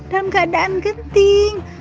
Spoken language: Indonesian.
dalam keadaan genting